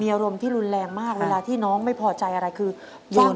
อารมณ์ที่รุนแรงมากเวลาที่น้องไม่พอใจอะไรคือวาง